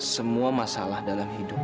semua masalah dalam hidup